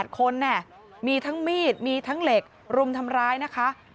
๘คนมีทั้งมีดมีทั้งเหล็กรุมทำร้ายนะคะ